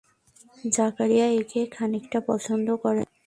জাকারিয়া একে খানিকটা পছন্দ করেন।